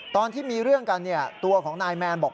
ตอนที่มีเรื่องกันตัวของนายแมนบอก